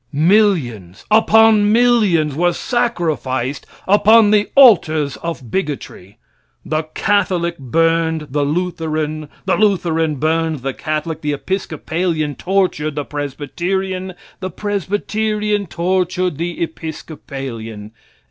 Millions upon millions were sacrificed upon the altars of bigotry. The Catholic burned the Lutheran, the Lutheran burned the Catholic; the Episcopalian tortured the Presbyterian, the Presbyterian tortured the Episcopalian.